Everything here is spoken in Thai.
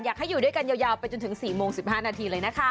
อยากให้อยู่ด้วยกันยาวไปถึง๔โมง๑๕นาทีเลยนะครับ